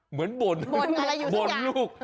เหมือนบ่นลูก